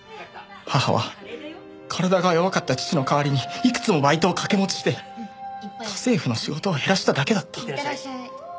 母は体が弱かった父の代わりにいくつもバイトを掛け持ちして家政婦の仕事を減らしただけだった。